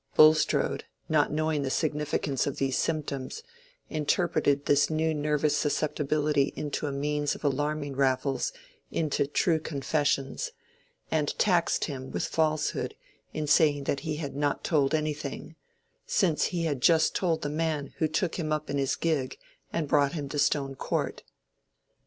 Bulstrode, not knowing the significance of these symptoms, interpreted this new nervous susceptibility into a means of alarming Raffles into true confessions, and taxed him with falsehood in saying that he had not told anything, since he had just told the man who took him up in his gig and brought him to Stone Court.